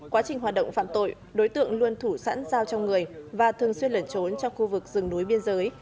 quá trình hoạt động phạm tội đối tượng luôn thủ sẵn dao trong người và thường xuyên lẩn trốn trong khu vực rừng núi biên giới